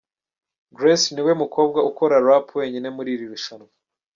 Grace niwe mukobwa ukora rap wenyine muri iri rushanwa.